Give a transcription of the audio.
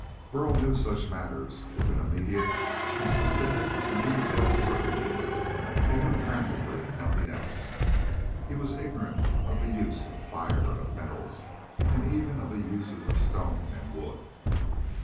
Burl knew such matters with an immediate and specific and detailed certainty. He knew practically nothing else. He was ignorant of the use of fire, of metals, and even of the uses of stone and wood.